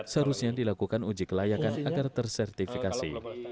seharusnya dilakukan uji kelayakan agar tersertifikasi